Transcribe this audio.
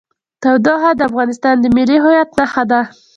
تودوخه د افغانستان د ملي هویت نښه ده.